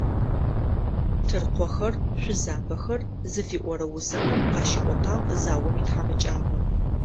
«Тыркъохэр», «Шъузабэхэр» зыфиӏорэ усэхэм къащиӏотагъ заом итхьамыкӀагъо.